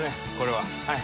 はい。